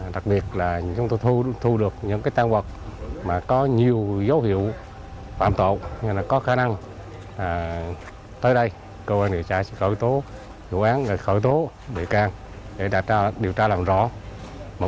đặc biệt là chúng tôi thu được những cái tan vật mà có nhiều dấu hiệu phạm tội có khả năng tới đây cơ quan điều tra sẽ khởi tố dự án khởi tố đề can để điều tra làm rõ